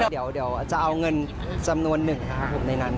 เดี๋ยวจะเอาเงินจำนวนหนึ่งนะครับผมในนั้น